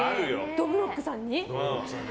どぶろっくさんに？